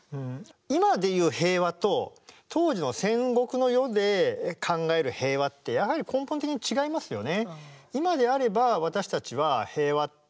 今で言う平和と当時の戦国の世で考える平和ってやはり根本的に違いますよね。